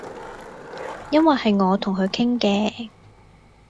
因爲係我同佢傾嘅